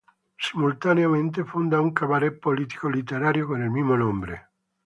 Simultáneamente funda un cabaret politico-literario con el mismo nombre.